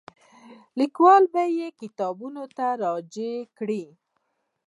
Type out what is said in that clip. لیکوال به یې کتابونو ته راجع کړي.